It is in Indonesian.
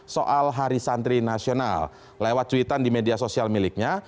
soal hari santri nasional lewat cuitan di media sosial miliknya